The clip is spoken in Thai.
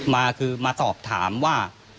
มาคือมาสอบถามว่า